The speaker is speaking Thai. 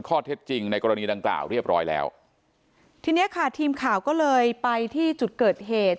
ข้อเท็จจริงในกรณีดังกล่าวเรียบร้อยแล้วทีเนี้ยค่ะทีมข่าวก็เลยไปที่จุดเกิดเหตุ